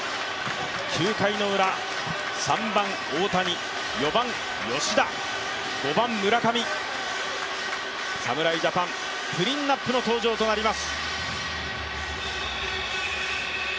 ９回ウラ、３番・大谷、４番・吉田、５番・村上、侍ジャパン、クリーンアップの登場となります。